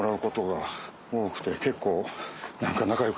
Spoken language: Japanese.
結構。